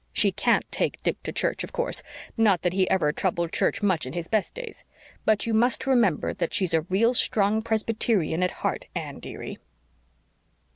She can't take Dick to church, of course not that he ever troubled church much in his best days. But you just remember that she's a real strong Presbyterian at heart, Anne, dearie."